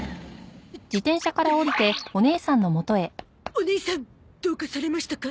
おねいさんどうかされましたか？